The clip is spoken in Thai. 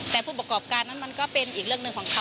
แต่ผู้ประกอบการนั้นมันก็เป็นอีกเรื่องหนึ่งของเขา